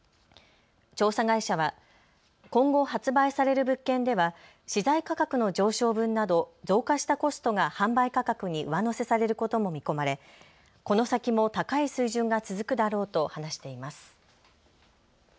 調査会社は今後発売される物件では資材価格の上昇分など増加したコストが販売価格に上乗せされることも見込まれこの先も高い水準が続くだろうと話しています。